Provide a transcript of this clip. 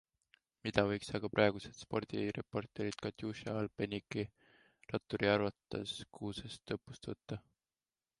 Mida võiks aga praegused spordireporterid Katjuša-Alpecini ratturi arvates Kuusest õppust võtta?